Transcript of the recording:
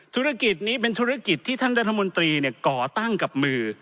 ธุรกิจนี้เป็นธุรกิจที่ท่านรัฐมนตรีก่อตั้งกับมือ